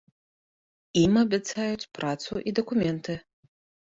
Ім абяцаюць працу і дакументы.